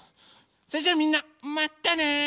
それじゃあみんなまたね。